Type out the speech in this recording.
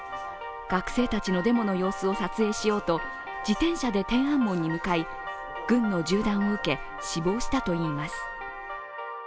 学生たちのデモの様子を撮影しようと自転車で天安門に向かい、軍の銃弾を受け死亡したといいます。